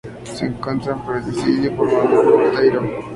Se encuentra presidido por Manuel Monteiro.